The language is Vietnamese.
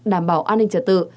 đảm bảo an ninh trả tự